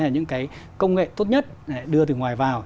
là những cái công nghệ tốt nhất để đưa từ ngoài vào